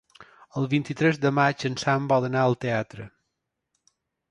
El vint-i-tres de maig en Sam vol anar al teatre.